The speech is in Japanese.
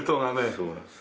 そうなんです。